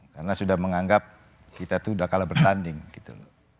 karena sudah menganggap kita itu sudah kalah bertanding gitu